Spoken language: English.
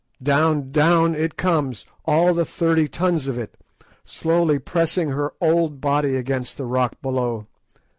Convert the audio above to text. Down, down it comes, all the thirty tons of it, slowly pressing her old body against the rock below.